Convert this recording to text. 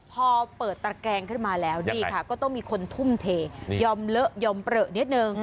พอเปิดตระแกงขึ้นมาแล้วนี่ค่ะก็ต้องมีคนทุ่มเทยอมเลอะยอมเปลือนิดนึง